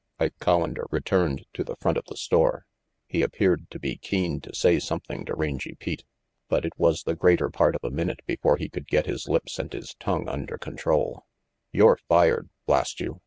Ike Collander returned to the front of the store. He appeared to be keen to say something to Rangy Pete, but it was the greater part of a minute before he could get his lips and his tongue under control. RANGY PETE 9 "You're fired, blast you.